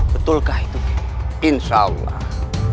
betulkah itu insyaallah